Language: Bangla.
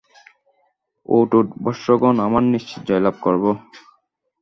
উঠ, উঠ বৎসগণ, আমরা নিশ্চিত জয়লাভ করব।